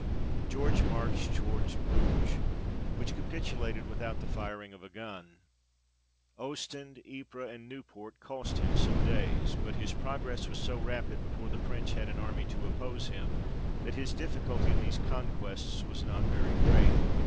George marched towards Bruges, which capi tulated without the firing of a gun. Ostend, Ypres, and Newport cost him some days ; but his progress was so rapid, before the French had an army to oppose him, that his difficulty in these conquests was not very great.